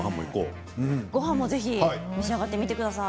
ごはんもぜひ召し上がってください。